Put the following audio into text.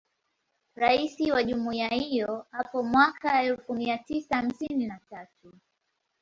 Rais wa Jumuiya hiyo hapo mwaka elfu mia tisa hamsini na tatu